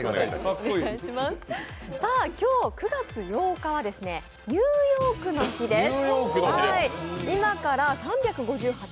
今日、９月８日はニューヨークの日です。